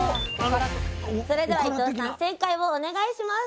それでは伊藤さん正解をお願いします！